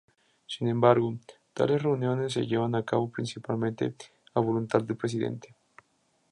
Sin embargo, tales reuniones se llevan a cabo principalmente a voluntad del Presidente.